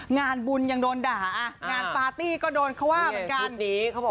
งานบุญยังโดนด่างานปาร์ตี้ก็โดนเขาว่าเหมือนกัน